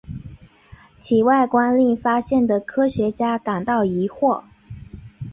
其外观令发现的科学家感到疑惑。